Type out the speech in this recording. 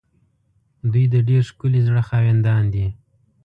دوی د ډېر ښکلي زړه خاوندان دي.